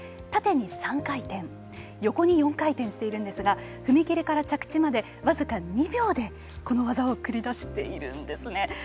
縦に３回転横に４回転しているんですが踏み切りから着地まで僅か２秒でこの技を繰り出しているんですね。